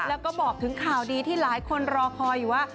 แล้วก็บอกถึงข่าวดีที่หลายคนรอคอยอยู่ว่า